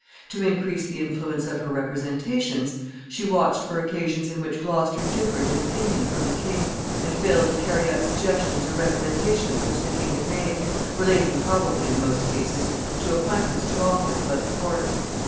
To increase the influence of her representations, she watched for occasions in which Gloucester differed in opinion from the king, and failed to carry out suggestions or recommendations which the king had made, relating probably, in most cases, to appointments to office about the court.